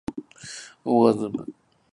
オーガズム